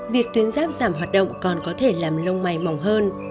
việc tuyến giáp giảm hoạt động còn có thể làm lông mày mỏng hơn